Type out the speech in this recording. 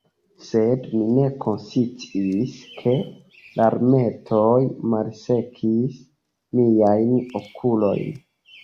Sed mi ne konsciis, ke larmetoj malsekigis miajn okulojn.